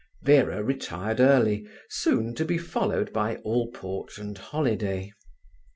Vera retired early, soon to be followed by Allport and Holiday.